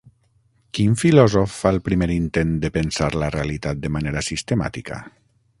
Quin filòsof fa el primer intent de pensar la realitat de manera sistemàtica?